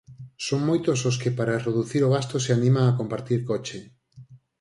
Son moitos os que para reducir o gasto se animan a compartir coche.